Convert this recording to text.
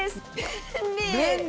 便利。